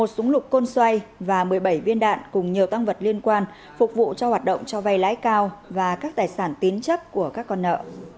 một súng lục côn xoay và một mươi bảy viên đạn cùng nhiều tăng vật liên quan phục vụ cho hoạt động cho vay lãi cao và các tài sản tín chấp của các con nợ